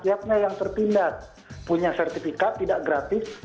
rakyatnya yang terpindah punya sertifikat tidak gratis